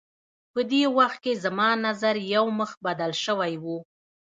په دې وخت کې زما نظر یو مخ بدل شوی و.